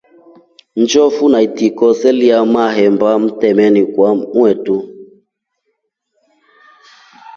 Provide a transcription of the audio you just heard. Njofu na itiko silelya mahemba mtameni kwa motu.